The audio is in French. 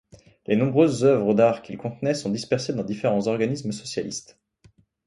Les nombreuses œuvres d'art qu'il contenait sont dispersées dans différents organismes socialistes.